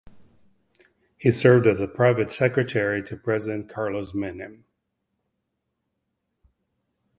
He served as private secretary to President Carlos Menem.